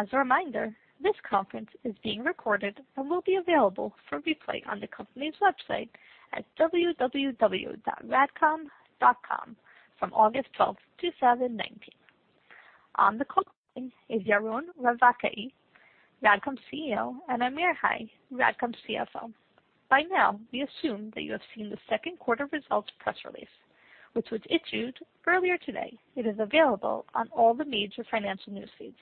As a reminder, this conference is being recorded and will be available for replay on the company's website at www.radcom.com from August 12th, 2019. On the call is Yaron Ravkaie, RADCOM CEO, and Amir Hai, RADCOM CFO. By now, we assume that you have seen the second quarter results press release, which was issued earlier today. It is available on all the major financial newsfeeds.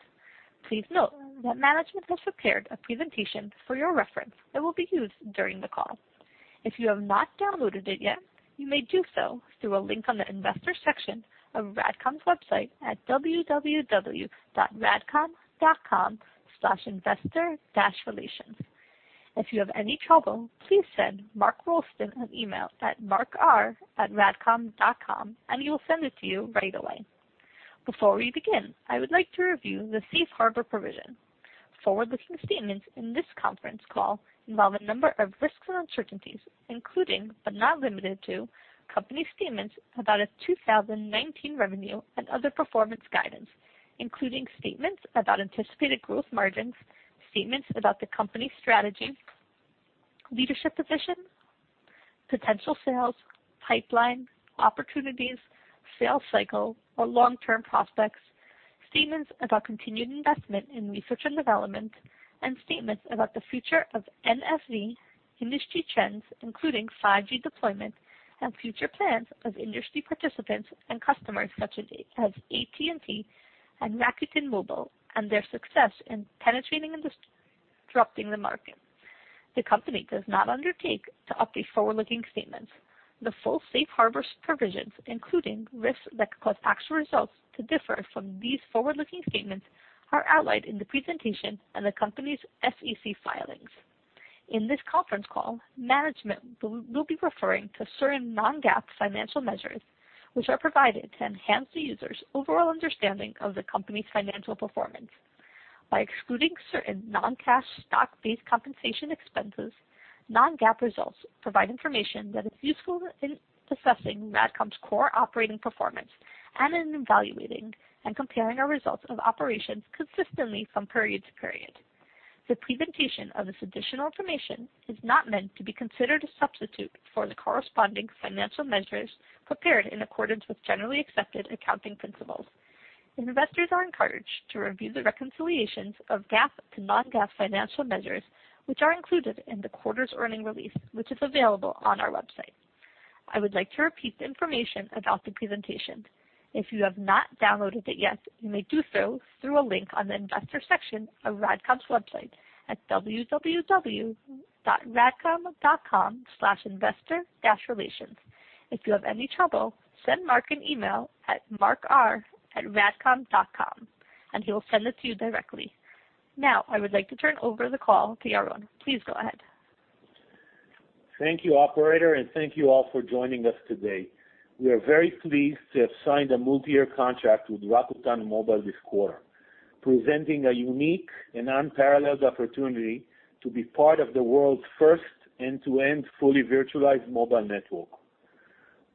Please note that management has prepared a presentation for your reference that will be used during the call. If you have not downloaded it yet, you may do so through a link on the investor section of RADCOM's website at www.radcom.com/investor-relations. If you have any trouble, please send Mark Rolston an email at markr@radcom.com and he will send it to you right away. Before we begin, I would like to review the safe harbor provision. Forward-looking statements in this conference call involve a number of risks and uncertainties, including, but not limited to, company statements about its 2019 revenue and other performance guidance, including statements about anticipated growth margins, statements about the company's strategy, leadership position, potential sales, pipeline, opportunities, sales cycle or long-term prospects, statements about continued investment in research and development, and statements about the future of NFV industry trends, including 5G deployment and future plans of industry participants and customers such as AT&T and Rakuten Mobile and their success in penetrating and disrupting the market. The company does not undertake to update forward-looking statements. The full safe harbors provisions, including risks that cause actual results to differ from these forward-looking statements, are outlined in the presentation and the company's SEC filings. In this conference call, management will be referring to certain non-GAAP financial measures, which are provided to enhance the user's overall understanding of the company's financial performance. By excluding certain non-cash stock-based compensation expenses, non-GAAP results provide information that is useful in assessing RADCOM's core operating performance and in evaluating and comparing our results of operations consistently from period to period. The presentation of this additional information is not meant to be considered a substitute for the corresponding financial measures prepared in accordance with generally accepted accounting principles. Investors are encouraged to review the reconciliations of GAAP to non-GAAP financial measures, which are included in the quarter's earnings release, which is available on our website. I would like to repeat the information about the presentation. If you have not downloaded it yet, you may do so through a link on the investor section of RADCOM's website at www.radcom.com/investor-relations. If you have any trouble, send Mark an email at markr@radcom.com, and he will send it to you directly. Now, I would like to turn over the call to Yaron. Please go ahead. Thank you, operator, and thank you all for joining us today. We are very pleased to have signed a multi-year contract with Rakuten Mobile this quarter, presenting a unique and unparalleled opportunity to be part of the world's first end-to-end fully virtualized mobile network.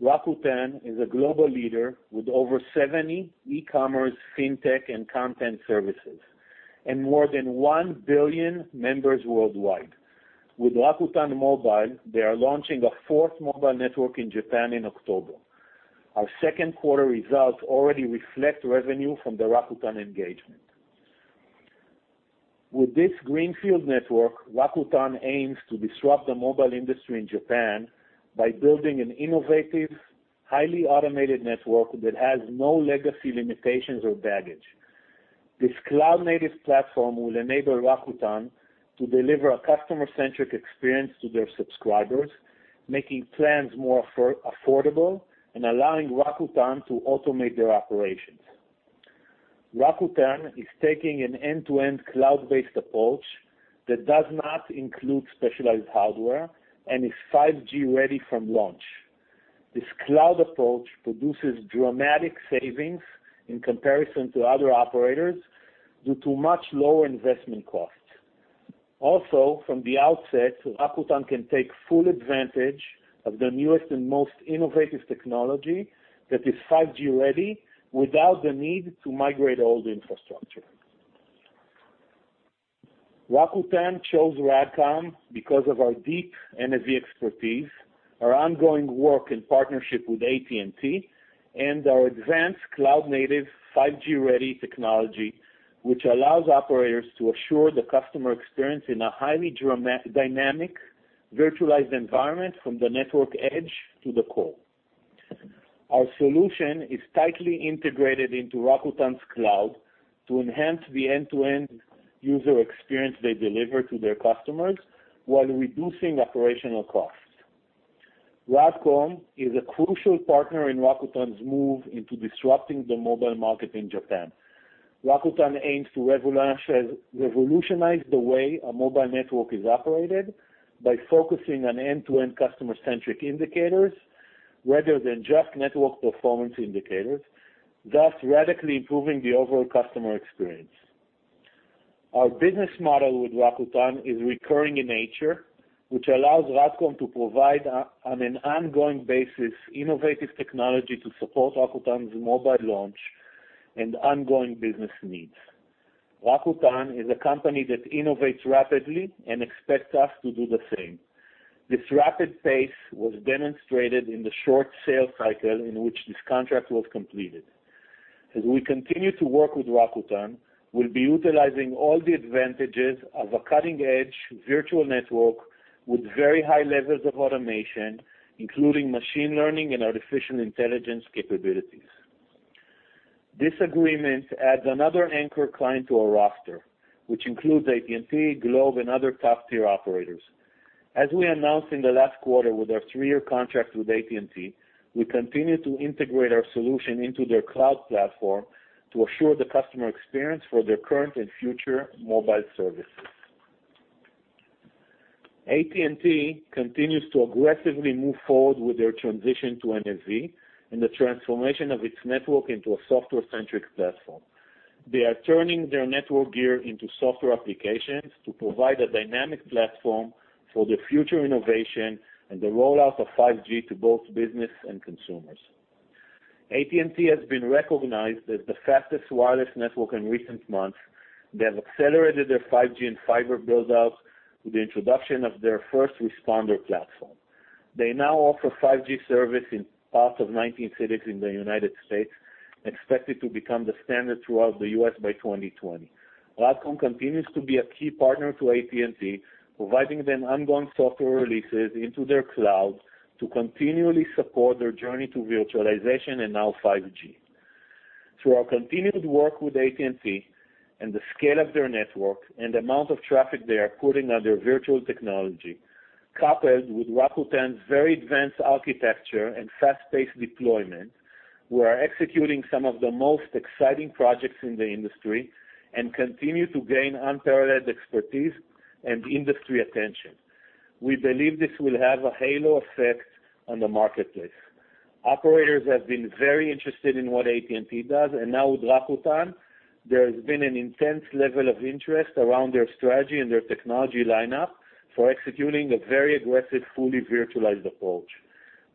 Rakuten is a global leader with over 70 e-commerce, fintech, and content services and more than 1 billion members worldwide. With Rakuten Mobile, they are launching a fourth mobile network in Japan in October. Our second quarter results already reflect revenue from the Rakuten engagement. With this greenfield network, Rakuten aims to disrupt the mobile industry in Japan by building an innovative, highly automated network that has no legacy limitations or baggage. This cloud-native platform will enable Rakuten to deliver a customer-centric experience to their subscribers, making plans more affordable and allowing Rakuten to automate their operations. Rakuten is taking an end-to-end cloud-based approach that does not include specialized hardware and is 5G-ready from launch. This cloud approach produces dramatic savings in comparison to other operators due to much lower investment costs. From the outset, Rakuten can take full advantage of the newest and most innovative technology that is 5G-ready without the need to migrate old infrastructure. Rakuten chose RADCOM because of our deep NFV expertise, our ongoing work in partnership with AT&T, and our advanced cloud-native 5G-ready technology, which allows operators to assure the customer experience in a highly dynamic virtualized environment from the network edge to the core. Our solution is tightly integrated into Rakuten's cloud to enhance the end-to-end user experience they deliver to their customers while reducing operational costs. RADCOM is a crucial partner in Rakuten's move into disrupting the mobile market in Japan. Rakuten aims to revolutionize the way a mobile network is operated by focusing on end-to-end customer-centric indicators rather than just network performance indicators, thus radically improving the overall customer experience. Our business model with Rakuten is recurring in nature, which allows RADCOM to provide, on an ongoing basis, innovative technology to support Rakuten's mobile launch and ongoing business needs. Rakuten is a company that innovates rapidly and expects us to do the same. This rapid pace was demonstrated in the short sales cycle in which this contract was completed. As we continue to work with Rakuten, we'll be utilizing all the advantages of a cutting-edge virtual network with very high levels of automation, including machine learning and artificial intelligence capabilities. This agreement adds another anchor client to our roster, which includes AT&T, Globe, and other top-tier operators. As we announced in the last quarter with our three-year contract with AT&T, we continue to integrate our solution into their cloud platform to assure the customer experience for their current and future mobile services. AT&T continues to aggressively move forward with their transition to NFV and the transformation of its network into a software-centric platform. They are turning their network gear into software applications to provide a dynamic platform for the future innovation and the rollout of 5G to both business and consumers. AT&T has been recognized as the fastest wireless network in recent months. They have accelerated their 5G and fiber build-outs with the introduction of their FirstNet. They now offer 5G service in parts of 19 cities in the United States, expected to become the standard throughout the U.S. by 2020. RADCOM continues to be a key partner to AT&T, providing them ongoing software releases into their cloud to continually support their journey to virtualization and now 5G. Through our continued work with AT&T and the scale of their network and the amount of traffic they are putting on their virtual technology, coupled with Rakuten's very advanced architecture and fast-paced deployment, we are executing some of the most exciting projects in the industry and continue to gain unparalleled expertise and industry attention. We believe this will have a halo effect on the marketplace. Operators have been very interested in what AT&T does, and now with Rakuten, there has been an intense level of interest around their strategy and their technology lineup for executing a very aggressive, fully virtualized approach.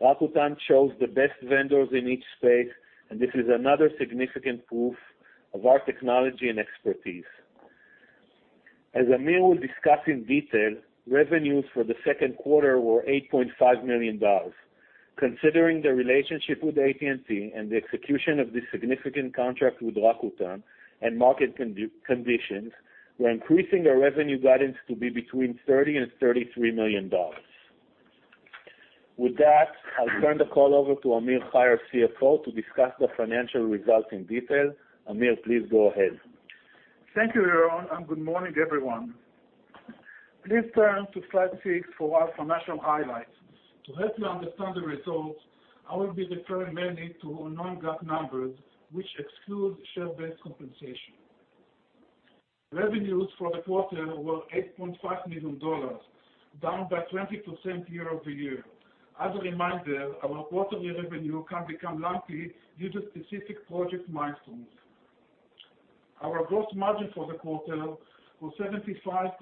Rakuten chose the best vendors in each space, and this is another significant proof of our technology and expertise. As Amir will discuss in detail, revenues for the second quarter were $8.5 million. Considering the relationship with AT&T and the execution of this significant contract with Rakuten and market conditions, we're increasing our revenue guidance to be between $30 million and $33 million. With that, I'll turn the call over to Amir Hai, CFO, to discuss the financial results in detail. Amir, please go ahead. Thank you, Yaron, and good morning, everyone. Please turn to slide six for our financial highlights. To help you understand the results, I will be referring mainly to non-GAAP numbers, which exclude share-based compensation. Revenues for the quarter were $8.5 million, down by 20% year-over-year. As a reminder, our quarterly revenue can become lumpy due to specific project milestones. Our gross margin for the quarter was 75.6%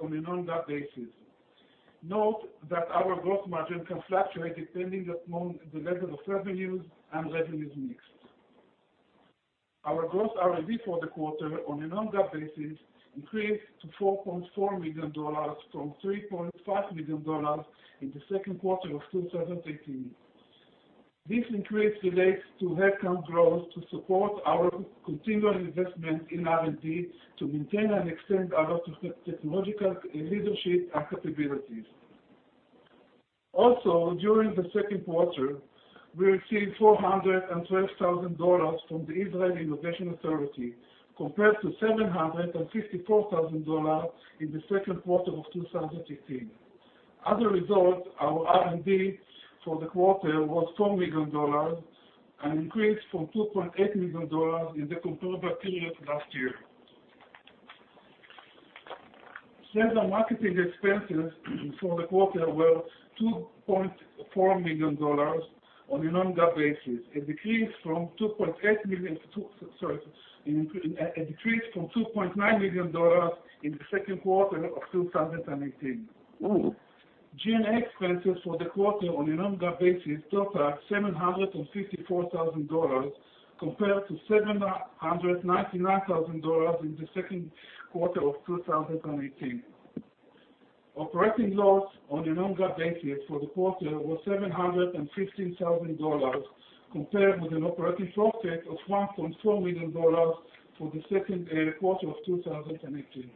on a non-GAAP basis. Note that our gross margin can fluctuate depending upon the level of revenues and revenues mix. Our gross R&D for the quarter on a non-GAAP basis increased to $4.4 million from $3.5 million in the second quarter of 2018. This increase relates to headcount growth to support our continual investment in R&D to maintain and extend our technological leadership and capabilities. Also, during the second quarter, we received $412,000 from the Israel Innovation Authority, compared to $754,000 in the second quarter of 2018. As a result, our R&D for the quarter was $4 million, an increase from $2.8 million in the comparable period last year. Sales and marketing expenses for the quarter were $2.4 million on a non-GAAP basis, a decrease from $2.9 million in the second quarter of 2018. G&A expenses for the quarter on a non-GAAP basis totaled $754,000 compared to $799,000 in the second quarter of 2018. Operating loss on a non-GAAP basis for the quarter was $715,000, compared with an operating profit of $1.4 million for the second quarter of 2018.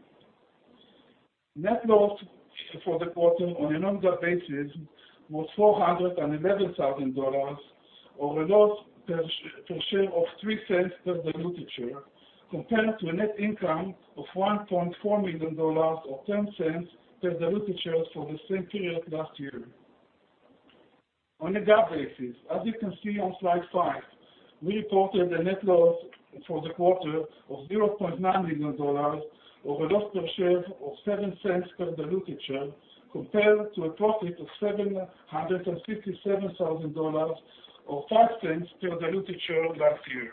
Net loss for the quarter on a non-GAAP basis was $411,000, or a loss per share of $0.03 per diluted share, compared to a net income of $1.4 million, or $0.10 per diluted share for the same period last year. On a GAAP basis, as you can see on slide five, we reported a net loss for the quarter of $0.9 million, or a loss per share of $0.07 per diluted share, compared to a profit of $757,000 or $0.05 per diluted share last year.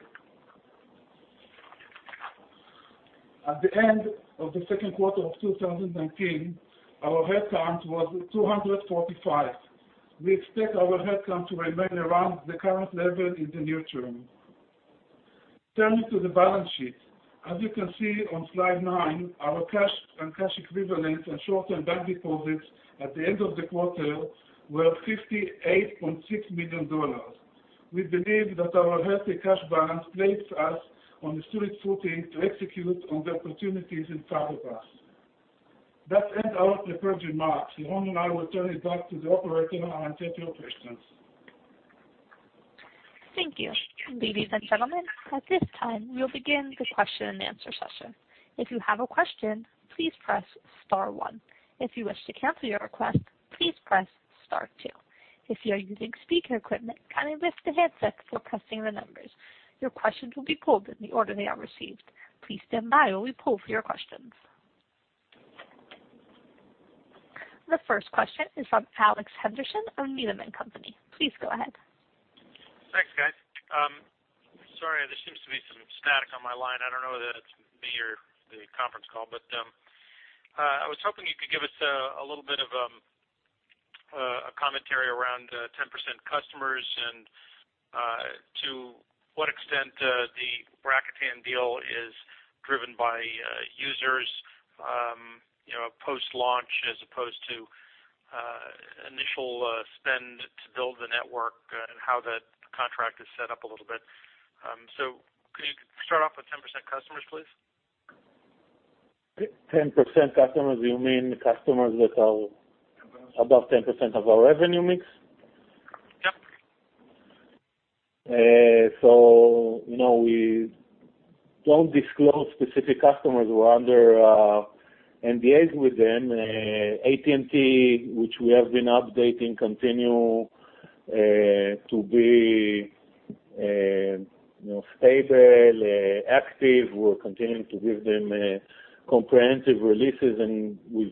At the end of the second quarter of 2019, our headcount was 245. We expect our headcount to remain around the current level in the near term. Turning to the balance sheet. As you can see on slide nine, our cash and cash equivalents and short-term bank deposits at the end of the quarter were $58.6 million. We believe that our healthy cash balance places us on a solid footing to execute on the opportunities in front of us. That ends our prepared remarks. Yaron and I will turn it back to the operator and take your questions. Thank you. Ladies and gentlemen, at this time, we'll begin the question and answer session. If you have a question, please press star one. If you wish to cancel your request, please press star two. If you are using speaker equipment, kindly lift the handset before pressing the numbers. Your questions will be pulled in the order they are received. Please stand by while we pull for your questions. The first question is from Alex Henderson of Needham & Company. Please go ahead. Thanks, guys. Sorry, there seems to be some static on my line. I don't know whether that's me or the conference call, but I was hoping you could give us a little bit of a commentary around the 10% customers and to what extent the Rakuten deal is driven by users post-launch as opposed to initial spend to build the network and how that contract is set up a little bit. Could you start off with 10% customers, please? 10% customers, you mean customers that are? Above 10 above 10% of our revenue mix? Yep. We don't disclose specific customers. We're under NDAs with them. AT&T, which we have been updating, continue to be stable, active. We're continuing to give them comprehensive releases, and we've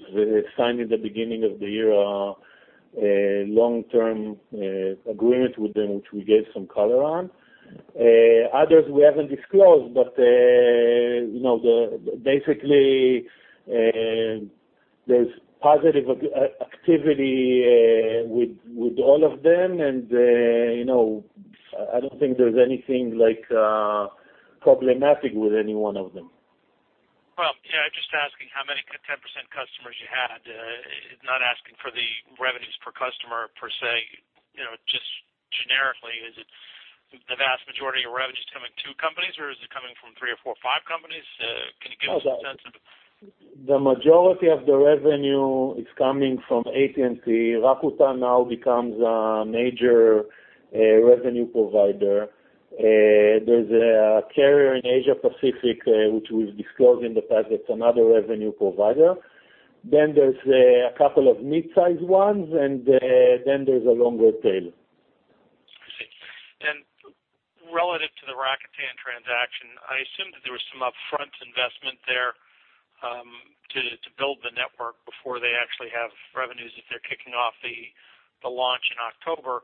signed in the beginning of the year a long-term agreement with them, which we gave some color on. Others we haven't disclosed, but basically, there's positive activity with all of them, and I don't think there's anything problematic with any one of them. Well, yeah, just asking how many 10% customers you had. Not asking for the revenues per customer per se, just generically, is it the vast majority of revenues coming from two companies or is it coming from three or four or five companies? Can you give us a sense of it? The majority of the revenue is coming from AT&T. Rakuten now becomes a major revenue provider. There's a carrier in Asia Pacific, which we've disclosed in the past, that's another revenue provider. There's a couple of mid-size ones, and then there's a longer tail. I see. Relative to the Rakuten transaction, I assumed that there was some upfront investment there to build the network before they actually have revenues if they're kicking off the launch in October.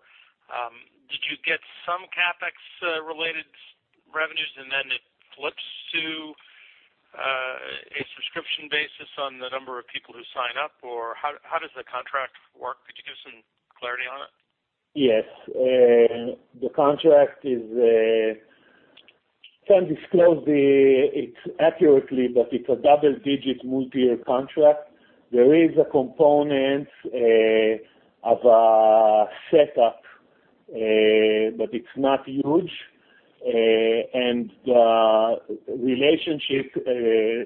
Did you get some CapEx-related revenues, and then it flips to a subscription basis on the number of people who sign up? Or how does the contract work? Could you give some clarity on it? Yes. The contract, can't disclose it accurately, but it's a double-digit multi-year contract. The relationship,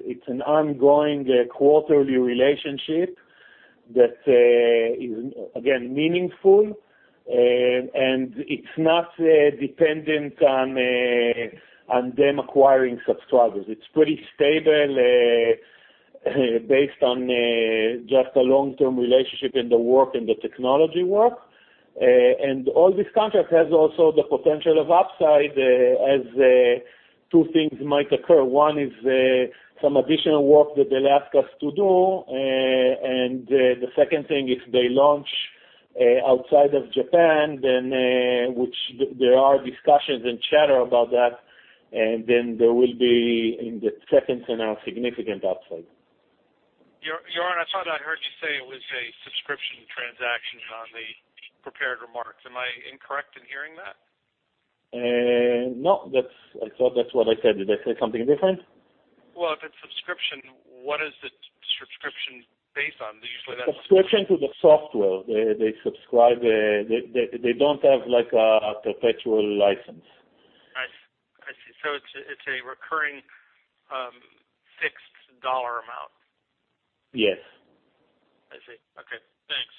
it's an ongoing quarterly relationship that is, again, meaningful, and it's not dependent on them acquiring subscribers. It's pretty stable based on just a long-term relationship in the work and the technology work. All this contract has also the potential of upside as two things might occur. One is some additional work that they'll ask us to do, and the second thing, if they launch outside of Japan, which there are discussions and chatter about that, then there will be, in the second scenario, significant upside. Yaron, I thought I heard you say it was a subscription transaction on the prepared remarks. Am I incorrect in hearing that? No, I thought that's what I said. Did I say something different? Well, if it's subscription, what is the subscription based on? Usually, that's- Subscription to the software. They subscribe. They don't have a perpetual license. I see. It's a recurring fixed dollar amount. Yes. I see. Okay, thanks.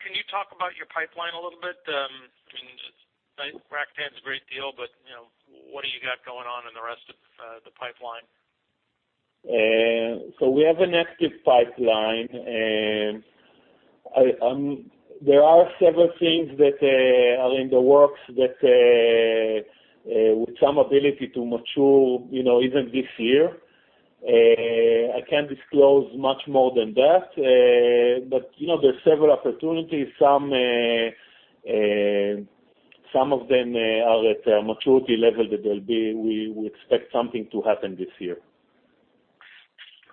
Can you talk about your pipeline a little bit? I mean, Rakuten's a great deal, what do you got going on in the rest of the pipeline? We have an active pipeline, and there are several things that are in the works with some ability to mature even this year. I can't disclose much more than that. There's several opportunities. Some of them are at a maturity level that we would expect something to happen this year.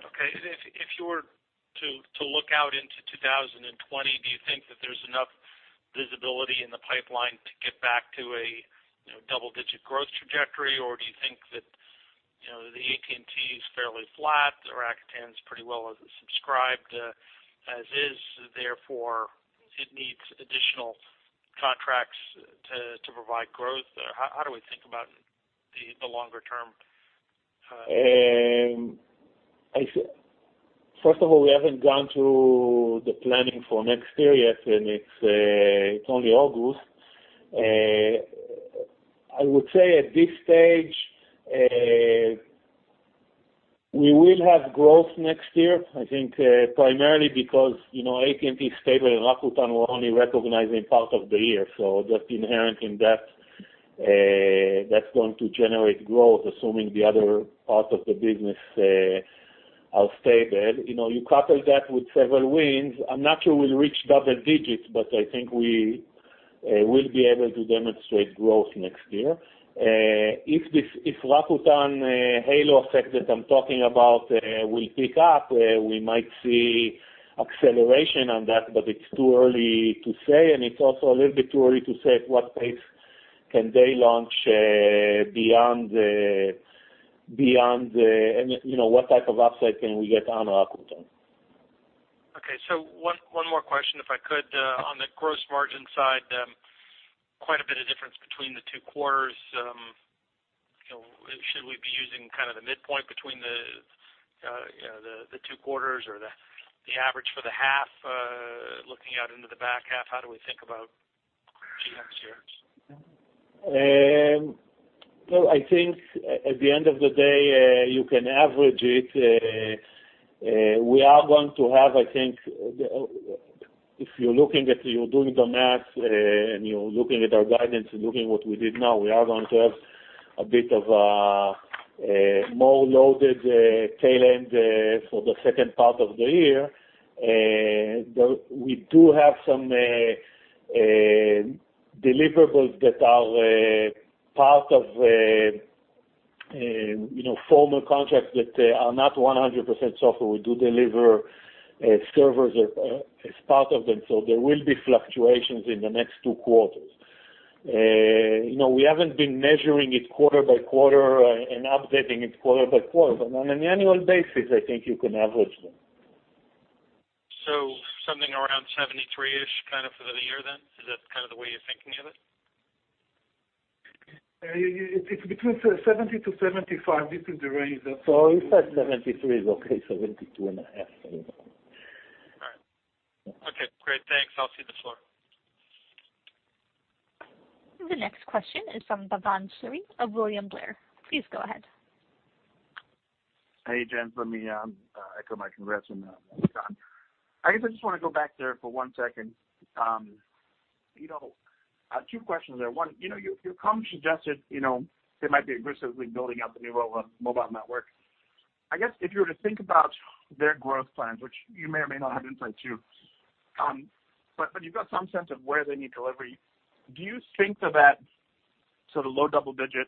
Okay. If you were to look out into 2020, do you think that there is enough visibility in the pipeline to get back to a double-digit growth trajectory, or do you think that the AT&T is fairly flat, the Rakuten is pretty well as it subscribed as is, therefore, it needs additional contracts to provide growth? How do we think about the longer-term impact? First of all, we haven't gone through the planning for next year yet, and it's only August. I would say at this stage, we will have growth next year, I think, primarily because AT&T is stable, and Rakuten we're only recognizing part of the year. That's inherent in that. That's going to generate growth, assuming the other parts of the business are stable. You couple that with several wins, I'm not sure we'll reach double digits, but I think we will be able to demonstrate growth next year. If this Rakuten halo effect that I'm talking about will pick up, we might see acceleration on that, but it's too early to say, and it's also a little bit too early to say at what pace can they launch. What type of upside can we get on Rakuten. Okay. One more question, if I could. On the gross margin side, quite a bit of difference between the two quarters. Should we be using kind of the midpoint between the two quarters or the average for the half? Looking out into the back half, how do we think about GM next year? Well, I think at the end of the day, you can average it. We are going to have, I think, if you're looking at you doing the math and you're looking at our guidance and looking what we did now, we are going to have a bit of a more loaded tail end for the second part of the year. We do have some deliverables that are part of formal contracts that are not 100% software. We do deliver servers as part of them, so there will be fluctuations in the next two quarters. We haven't been measuring it quarter by quarter and updating it quarter by quarter. On an annual basis, I think you can average them. Something around 73-ish kind of for the year then? Is that kind of the way you're thinking of it? It's between 70-75. This is the range. If that 73 is okay, 72 and a half, anyway. All right. Okay, great. Thanks. I'll cede the floor. The next question is from Bhavan Suri of William Blair. Please go ahead. Hey, gents. Let me echo my congrats on the earnings call. I guess I just want to go back there for one second. Two questions there. One, your company suggested they might be aggressively building out the new mobile network. I guess if you were to think about their growth plans, which you may or may not have insight to, but you've got some sense of where they need delivery. Do you think that that sort of low double-digit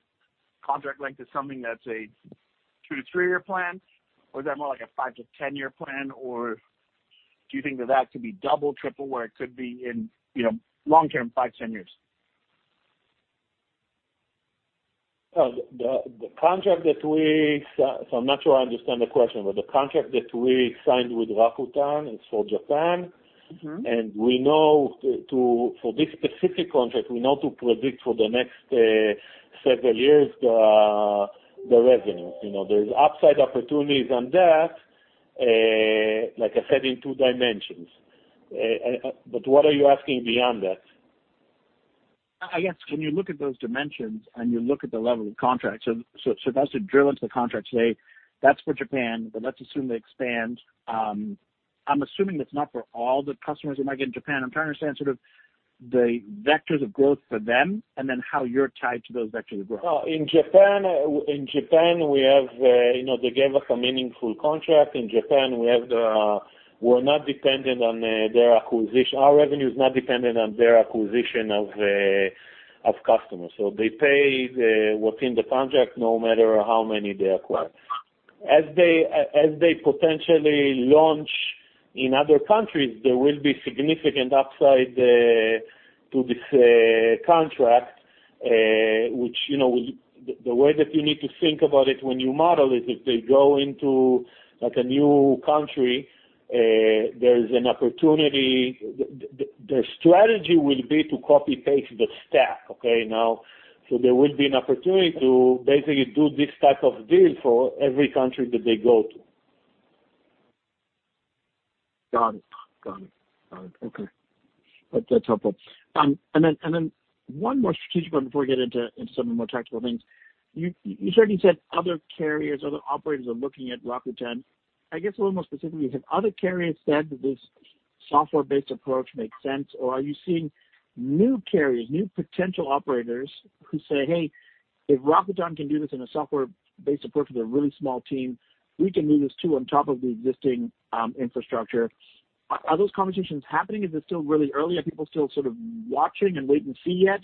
contract length is something that's a 2-3-year plan, or is that more like a 5-10-year plan, or do you think that that could be double, triple, where it could be in long-term, five, 10 years? I'm not sure I understand the question, but the contract that we signed with Rakuten is for Japan. For this specific contract, we know to predict for the next several years, the revenues. There's upside opportunities on that, like I said, in two dimensions. What are you asking beyond that? I guess when you look at those dimensions and you look at the level of contracts, that's to drill into the contract, say that's for Japan, let's assume they expand. I'm assuming it's not for all the customers they might get in Japan. I'm trying to understand sort of the vectors of growth for them and then how you're tied to those vectors of growth. In Japan, they gave us a meaningful contract. In Japan, our revenue is not dependent on their acquisition of customers. They pay what's in the contract no matter how many they acquire. As they potentially launch in other countries, there will be significant upside to this contract, which the way that you need to think about it when you model is if they go into a new country, there's an opportunity. Their strategy will be to copy-paste the stack. There will be an opportunity to basically do this type of deal for every country that they go to. Got it. Okay. That's helpful. One more strategic one before we get into some of the more tactical things. You certainly said other carriers, other operators are looking at Rakuten. I guess a little more specifically, have other carriers said that this software-based approach makes sense, or are you seeing new carriers, new potential operators who say, "Hey, if Rakuten can do this in a software-based approach with a really small team, we can do this too on top of the existing infrastructure." Are those conversations happening? Is it still really early? Are people still sort of watching and wait and see yet?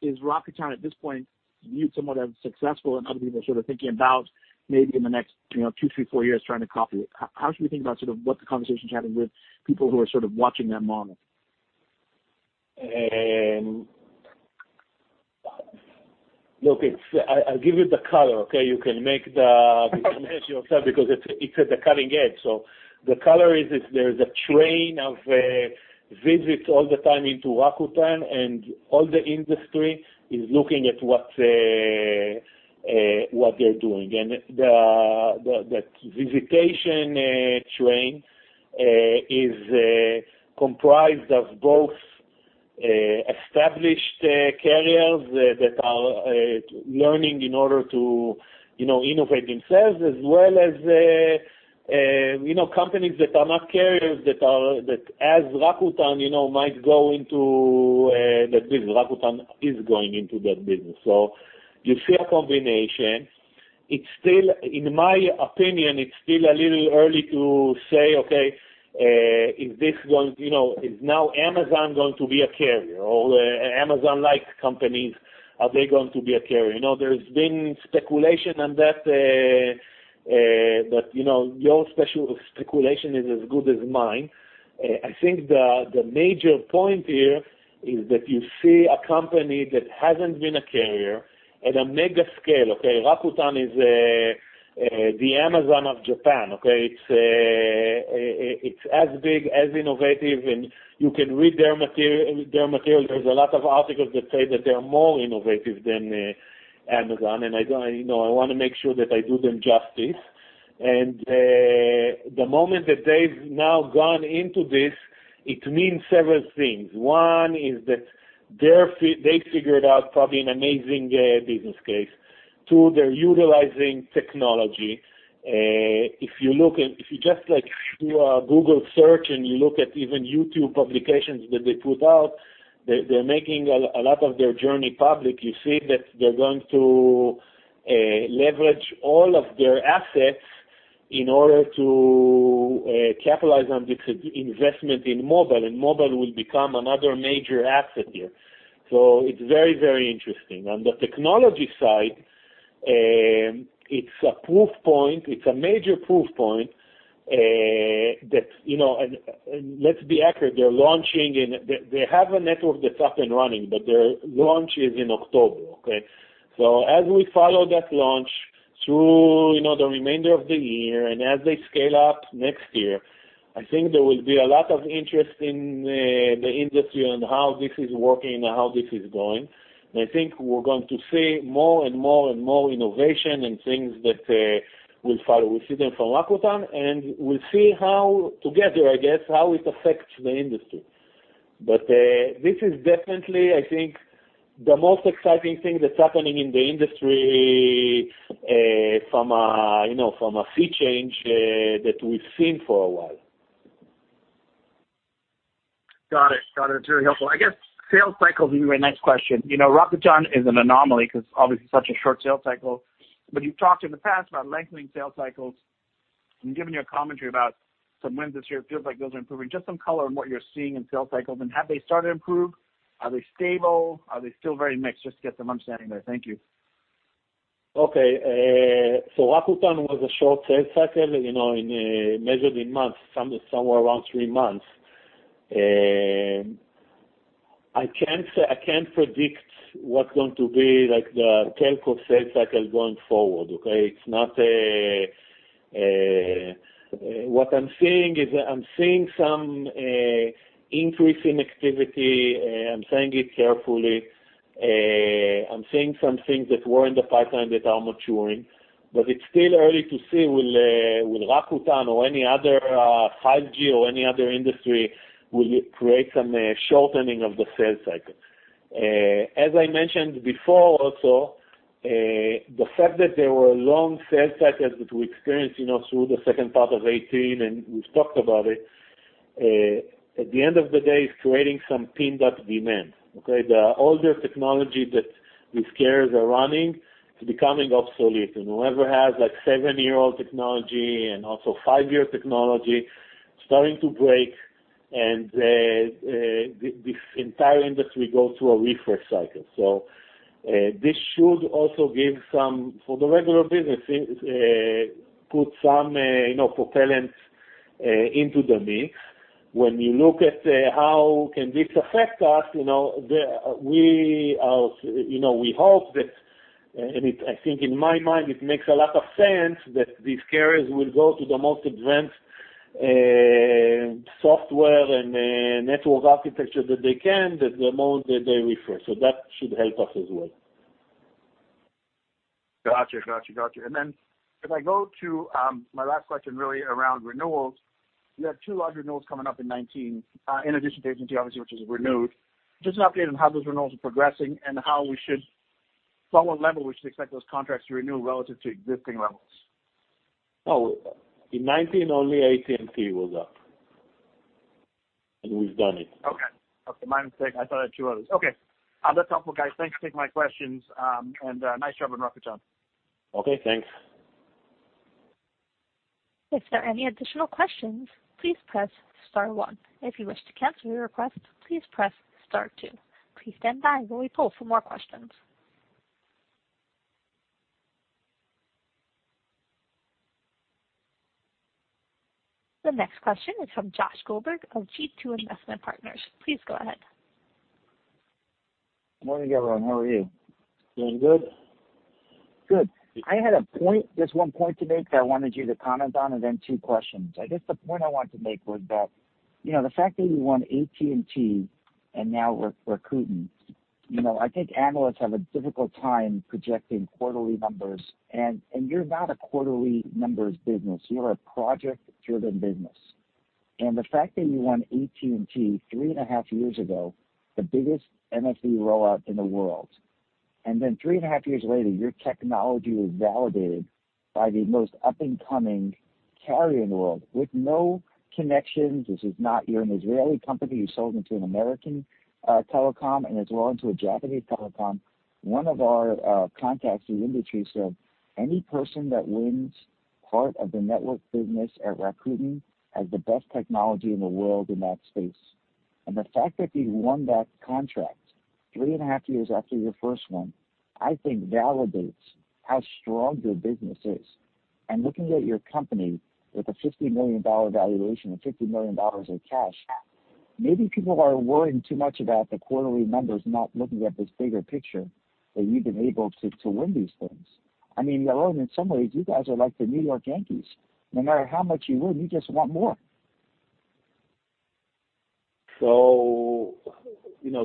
Is Rakuten, at this point, viewed somewhat as successful and other people are thinking about maybe in the next two, three, four years trying to copy it. How should we think about what the conversation is happening with people who are watching that model? Look, I'll give you the color, okay? You can make the decision yourself because it's at the cutting edge. The color is there's a train of visits all the time into Rakuten, and all the industry is looking at what they're doing. That visitation train is comprised of both established carriers that are learning in order to innovate themselves as well as companies that are not carriers that as Rakuten might go into that business. Rakuten is going into that business. You see a combination. In my opinion, it's still a little early to say, okay, is now Amazon going to be a carrier, or Amazon-like companies, are they going to be a carrier? There's been speculation on that, your special speculation is as good as mine. I think the major point here is that you see a company that hasn't been a carrier at a mega scale, okay? Rakuten is the Amazon of Japan. It's as big, as innovative, and you can read their materials. There's a lot of articles that say that they are more innovative than Amazon, and I want to make sure that I do them justice. The moment that they've now gone into this, it means several things. One is that they figured out probably an amazing business case. Two, they're utilizing technology. If you just do a Google search and you look at even YouTube publications that they put out, they're making a lot of their journey public. You see that they're going to leverage all of their assets in order to capitalize on this investment in mobile, and mobile will become another major asset here. It's very, very interesting. On the technology side, it's a proof point, it's a major proof point that. Let's be accurate, they have a network that's up and running, but their launch is in October. As we follow that launch through the remainder of the year and as they scale up next year, I think there will be a lot of interest in the industry on how this is working and how this is going. I think we're going to see more and more and more innovation and things that will follow. We see them from Rakuten, and we'll see how together, I guess, how it affects the industry. This is definitely, I think, the most exciting thing that's happening in the industry from a sea change that we've seen for a while. Got it. Got it. That's really helpful. I guess sales cycles will be my next question. Rakuten is an anomaly because obviously such a short sales cycle, but you've talked in the past about lengthening sales cycles and given your commentary about some wins this year, it feels like those are improving. Just some color on what you're seeing in sales cycles, and have they started to improve? Are they stable? Are they still very mixed? Just to get some understanding there. Thank you. Rakuten was a short sales cycle, measured in months, somewhere around three months. I can't predict what's going to be like the telco sales cycle going forward. I'm seeing some increase in activity. I'm saying it carefully. I'm seeing some things that were in the pipeline that are maturing, it's still early to see will Rakuten or any other 5G or any other industry will create some shortening of the sales cycle. I mentioned before also, the fact that there were long sales cycles, which we experienced through the second part of 2018, we've talked about it, at the end of the day, it's creating some pinned-up demand. The older technology that these carriers are running is becoming obsolete, whoever has seven-year-old technology and also five-year technology starting to break, this entire industry go through a refresh cycle. This should also, for the regular business, put some propellant into the mix. When you look at how can this affect us, we hope that, and I think in my mind, it makes a lot of sense that these carriers will go to the most advanced software and network architecture that they can the moment that they refresh. That should help us as well. Got you. If I go to my last question really around renewals, you have two large renewals coming up in 2019, in addition to AT&T, obviously, which is renewed. Just an update on how those renewals are progressing and on what level we should expect those contracts to renew relative to existing levels? Oh, in 2019, only AT&T was up. We've done it. Okay. My mistake. I thought I had two others. Okay, that's helpful, guys. Thanks for taking my questions, and nice job on Rakuten. Okay, thanks. If there are any additional questions, please press star one. If you wish to cancel your request, please press star two. Please stand by while we poll for more questions. The next question is from Josh Goldberg of G2 Investment Partners. Please go ahead. Morning, Yaron. How are you? Doing good. Good. I had just one point to make that I wanted you to comment on, and then two questions. I guess the point I wanted to make was that the fact that you won AT&T and now Rakuten, I think analysts have a difficult time projecting quarterly numbers, and you're not a quarterly numbers business, you're a project-driven business. The fact that you won AT&T three and a half years ago, the biggest NFV rollout in the world, and then three and a half years later, your technology was validated by the most up-and-coming carrier in the world with no connections. You're an Israeli company, you sold into an American telecom, and as well into a Japanese telecom. One of our contacts in the industry said any person that wins part of the network business at Rakuten has the best technology in the world in that space. The fact that you won that contract 3.5 years after your first one, I think validates how strong your business is. Looking at your company with a $50 million valuation and $50 million in cash, maybe people are worrying too much about the quarterly numbers, not looking at this bigger picture, that you've been able to win these things. I mean, Yaron, in some ways, you guys are like the New York Yankees. No matter how much you win, you just want more.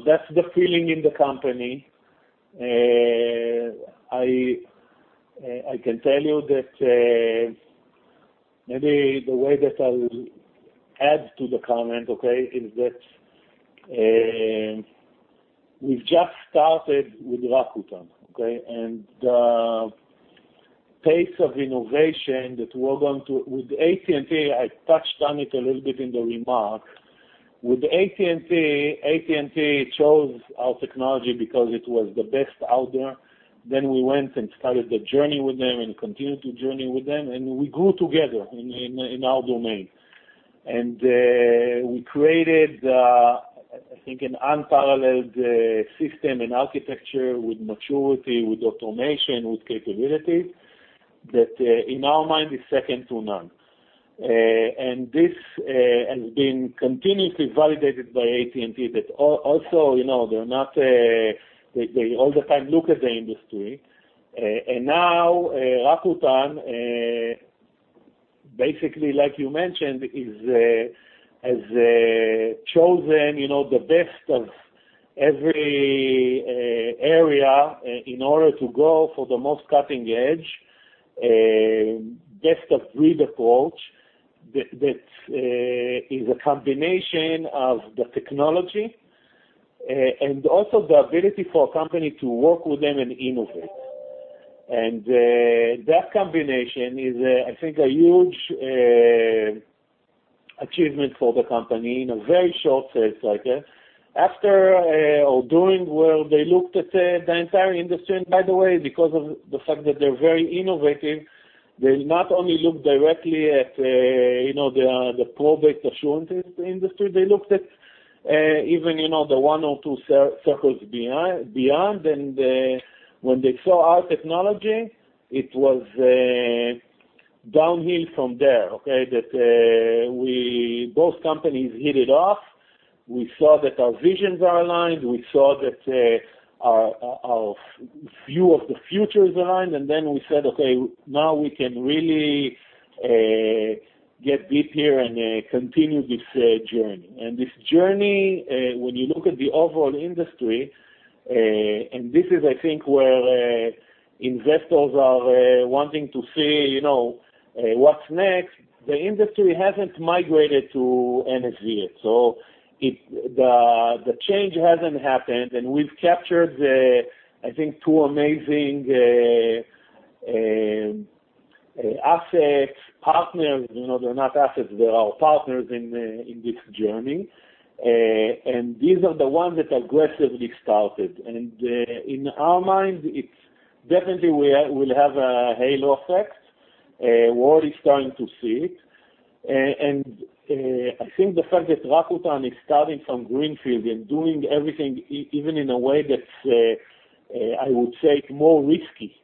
That's the feeling in the company. I can tell you that maybe the way that I would add to the comment, okay, is that we've just started with Rakuten. The pace of innovation that we're going to with AT&T, I touched on it a little bit in the remarks. With AT&T, AT&T chose our technology because it was the best out there. We went and started the journey with them and continued to journey with them, and we grew together in our domain. We created, I think, an unparalleled system and architecture with maturity, with automation, with capabilities that in our mind is second to none. This has been continuously validated by AT&T that also they all the time look at the industry. Now, Rakuten, basically like you mentioned, has chosen the best of every area in order to go for the most cutting-edge best of breed approach that is a combination of the technology, and also the ability for a company to work with them and innovate. That combination is, I think, a huge achievement for the company in a very short space, okay. After doing well, they looked at the entire industry, and by the way, because of the fact that they're very innovative, they not only look directly at the probe and assurance industry. They looked at even the one or two circles beyond. When they saw our technology, it was downhill from there, okay. That both companies hit it off. We saw that our visions are aligned. We saw that our view of the future is aligned, and then we said, "Okay, now we can really get deep here and continue this journey." This journey, when you look at the overall industry, and this is, I think, where investors are wanting to see what's next, the industry hasn't migrated to NFV yet. The change hasn't happened, and we've captured, I think, two amazing assets, partners. They're not assets, they're our partners in this journey. These are the ones that aggressively started. In our minds, it's definitely will have a halo effect. The world is starting to see it. I think the fact that Rakuten is starting from greenfield and doing everything even in a way that's, I would say, more risky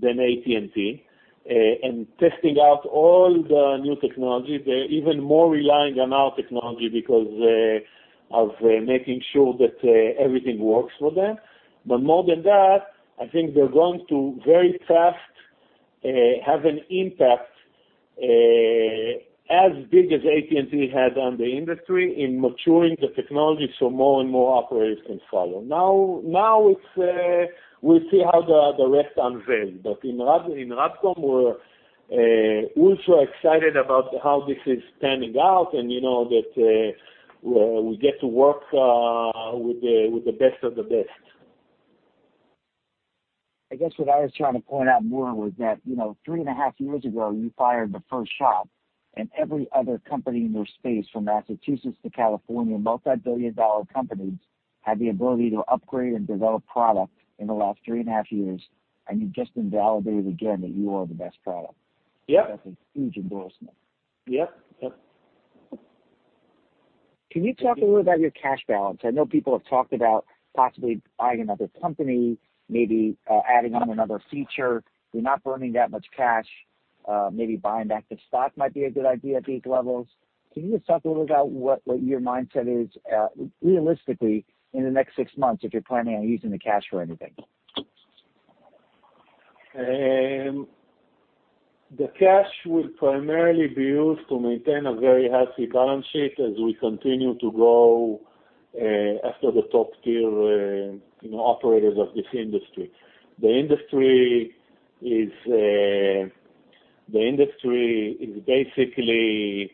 than AT&T, and testing out all the new technologies. They're even more relying on our technology because of making sure that everything works for them. More than that, I think they're going to very fast have an impact as big as AT&T had on the industry in maturing the technology so more and more operators can follow. Now, we'll see how the rest unveil. In RADCOM, we're also excited about how this is panning out and that we get to work with the best of the best. I guess what I was trying to point out more was that three and a half years ago, you fired the first shot and every other company in your space, from Massachusetts to California, multi-billion dollar companies, had the ability to upgrade and develop product in the last three and a half years, and you've just invalidated again that you are the best product. Yep. That's a huge endorsement. Yep. Can you talk a little about your cash balance? I know people have talked about possibly buying another company, maybe adding on another feature. You're not burning that much cash. Maybe buying back the stock might be a good idea at these levels. Can you just talk a little about what your mindset is, realistically, in the next six months, if you're planning on using the cash for anything? The cash will primarily be used to maintain a very healthy balance sheet as we continue to grow after the top tier operators of this industry. The industry basically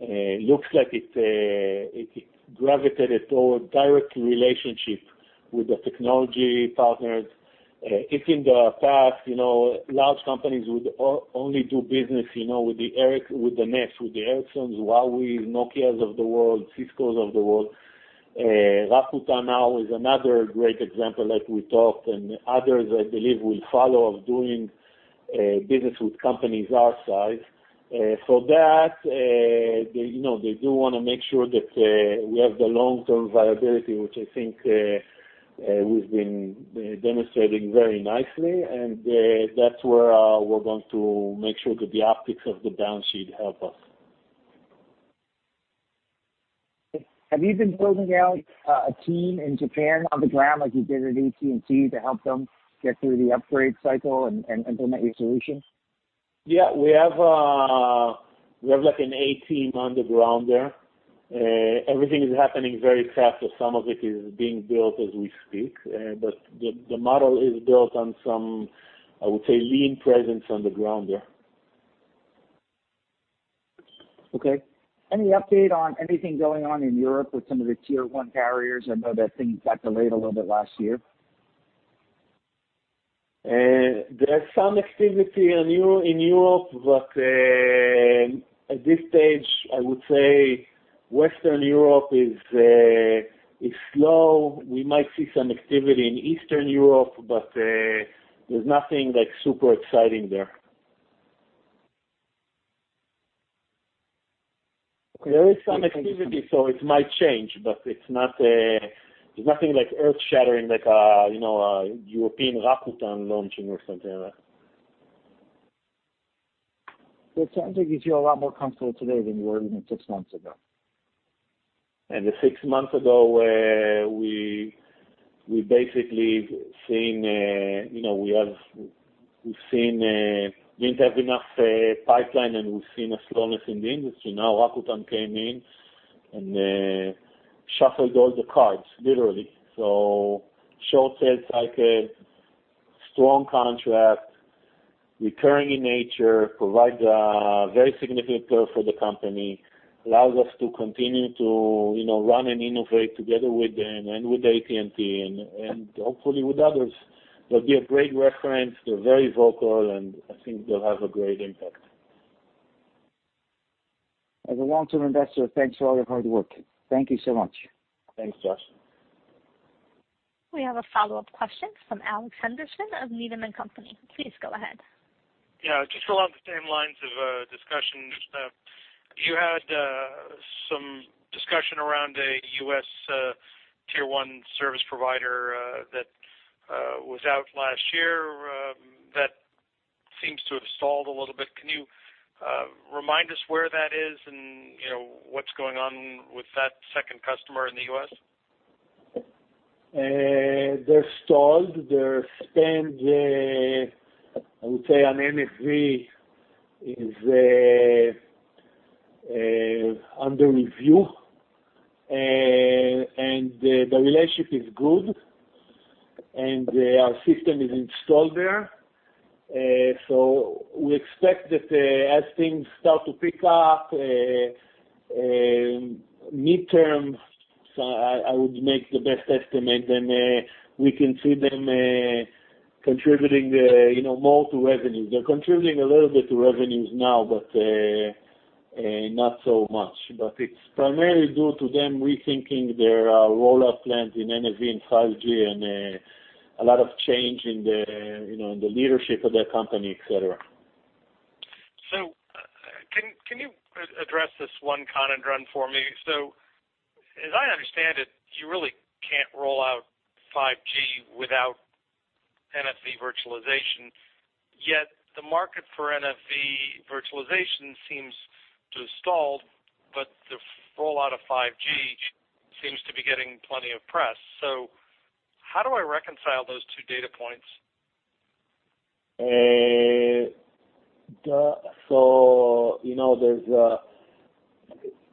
looks like it gravitated toward direct relationship with the technology partners. If in the past, large companies would only do business with the Netcracker, with the Ericsson, Huawei, Nokia of the world, Cisco of the world, Rakuten now is another great example, like we talked, and others, I believe, will follow of doing business with companies our size. For that, they do want to make sure that we have the long-term viability, which I think we've been demonstrating very nicely, and that's where we're going to make sure that the optics of the balance sheet help us. Have you been building out a team in Japan on the ground, like you did at AT&T, to help them get through the upgrade cycle and implement your solution? Yeah. We have an A team on the ground there. Everything is happening very fast, some of it is being built as we speak. The model is built on some, I would say, lean presence on the ground there. Okay. Any update on anything going on in Europe with some of the Tier 1 carriers? I know that things got delayed a little bit last year. There's some activity in Europe, but at this stage, I would say Western Europe is slow. We might see some activity in Eastern Europe, but there's nothing super exciting there. There is some activity, so it might change, but there's nothing earth-shattering like a European Rakuten launching or something like that. It sounds like it's a lot more comfortable today than you were even six months ago. Six months ago, we've seen didn't have enough pipeline, and we've seen a slowness in the industry. Rakuten came in and shuffled all the cards, literally. Short sales cycle, strong contract, recurring in nature, provides a very significant player for the company, allows us to continue to run and innovate together with them and with AT&T and hopefully with others. They'll be a great reference. They're very vocal, and I think they'll have a great impact. As a long-term investor, thanks for all your hard work. Thank you so much. Thanks, Josh. We have a follow-up question from Alex Henderson of Needham & Company. Please go ahead. Yeah, just along the same lines of discussion. You had some discussion around a U.S. Tier 1 service provider that was out last year that seems to have stalled a little bit. Can you remind us where that is and what's going on with that second customer in the U.S.? They're stalled. Their spend, I would say, on NFV is under review, and the relationship is good, and our system is installed there. We expect that as things start to pick up, mid-term, I would make the best estimate, then we can see them contributing more to revenues. They're contributing a little bit to revenues now, but not so much. It's primarily due to them rethinking their rollout plans in NFV and 5G and a lot of change in the leadership of their company, et cetera. Can you address this one conundrum for me? As I understand it, you really can't roll out 5G without NFV virtualization, yet the market for NFV virtualization seems to have stalled, but the rollout of 5G seems to be getting plenty of press. How do I reconcile those two data points?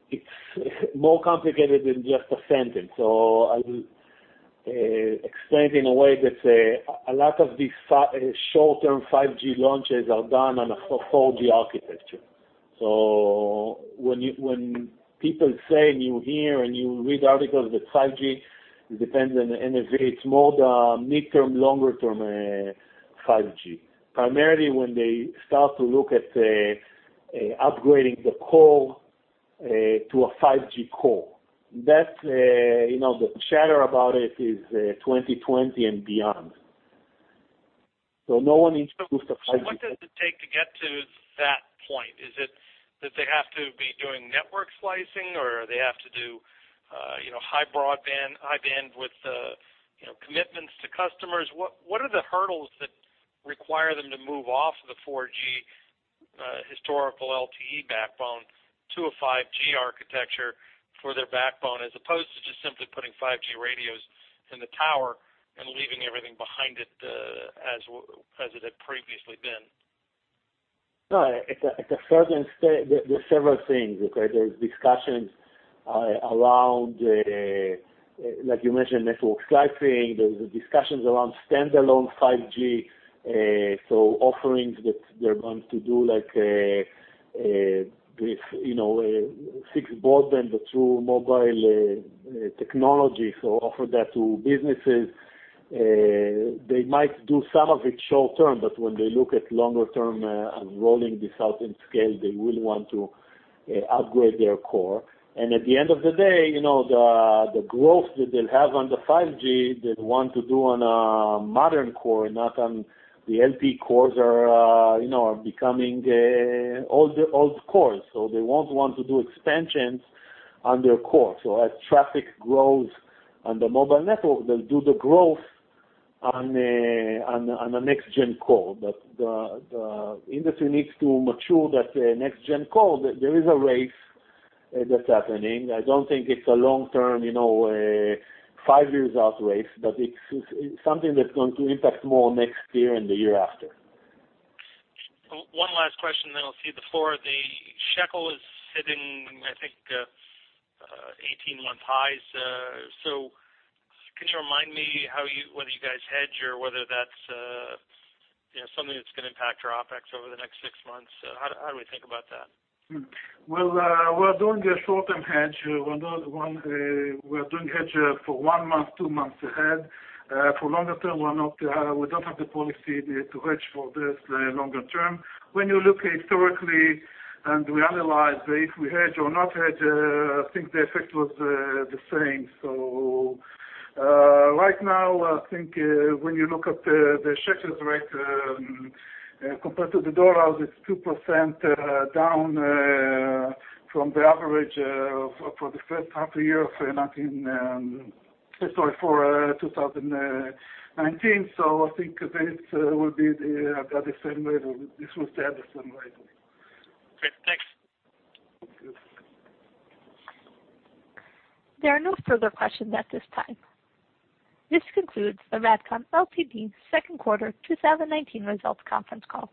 It's more complicated than just a sentence. I'll explain it in a way that a lot of these short-term 5G launches are done on a 4G architecture. When people say, and you hear, and you read articles that 5G depends on NFV, it's more the midterm, longer term 5G. Primarily when they start to look at upgrading the core to a 5G core. The chatter about it is 2020 and beyond. No one needs to boost the 5G. What does it take to get to that point? Is it that they have to be doing network slicing, or they have to do high bandwidth commitments to customers? What are the hurdles that require them to move off the 4G historical LTE backbone to a 5G architecture for their backbone, as opposed to just simply putting 5G radios in the tower and leaving everything behind it as it had previously been? No, there's several things. Okay. There's discussions around, like you mentioned, network slicing. There's discussions around standalone 5G, so offerings that they're going to do, like fixed broadband through mobile technology, so offer that to businesses. They might do some of it short-term, but when they look at longer-term, and rolling this out in scale, they will want to upgrade their core. At the end of the day, the growth that they'll have on the 5G, they'd want to do on a modern core, not on the LTE cores are becoming old cores, so they won't want to do expansions on their core. As traffic grows on the mobile network, they'll do the growth on a next-gen core. The industry needs to mature that next-gen core. There is a race that's happening. I don't think it's a long-term, five years out race, but it's something that's going to impact more next year and the year after. One last question, then I'll cede the floor. The shekel is hitting, I think, 18-month highs. Could you remind me whether you guys hedge or whether that's something that's going to impact your OpEx over the next six months? How do we think about that? Well, we're doing a short-term hedge. We're doing hedge for one month, two months ahead. For longer term, we don't have the policy to hedge for this longer term. When you look historically and we analyze if we hedge or not hedge, I think the effect was the same. Right now, I think when you look at the shekel rate compared to the U.S. dollar, it's 2% down from the average for the first half-year for 2019. I think this will stay the same way. Great. Thanks. Thank you. There are no further questions at this time. This concludes the RADCOM Ltd second quarter 2019 results conference call.